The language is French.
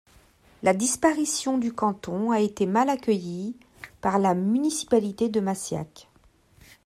La disparition du canton a été mal accueillie par la municipalité de Massiac.